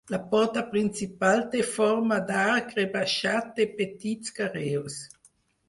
La porta principal té forma d'arc rebaixat de petits carreus.